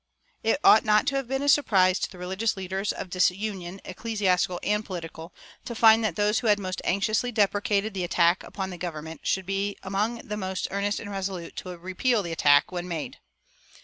It ought not to have been a surprise to the religious leaders of disunion, ecclesiastical and political, to find that those who had most anxiously deprecated the attack upon the government should be among the most earnest and resolute to repel the attack when made.